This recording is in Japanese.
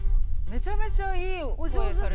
めちゃめちゃいいお声されてるし。